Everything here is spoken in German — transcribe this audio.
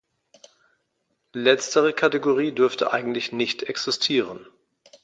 Letztere Kategorie dürfte eigentlich nicht existieren.